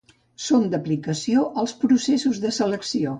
Són d'aplicació als processos de selecció.